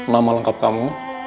nama lengkap kamu